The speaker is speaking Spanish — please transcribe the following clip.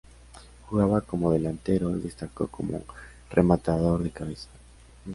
Jugaba como delantero y destacó como rematador de cabeza.